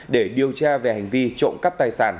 để điều tra về hành vi trộm cắp tài sản